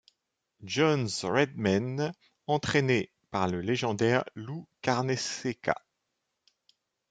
John's Redmen, entraîné par le légendaire Lou Carnesecca.